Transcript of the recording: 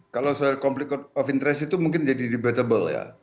kalau soal complicate of interest itu mungkin jadi debatable ya